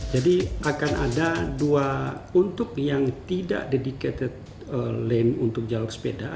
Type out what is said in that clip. jadi akan ada dua untuk yang tidak dedicated lane untuk jalur sepeda